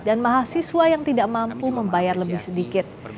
dan mahasiswa yang tidak mampu membayar lebih sedikit